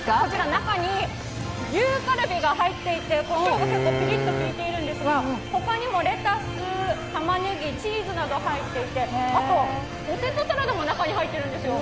中に牛カルビが入っていて、こしょうもピリッときいているんですがほかにもレタス、たまねぎ、チーズなどが入っていて、あと、ポテトサラダも中に入っているんですよ。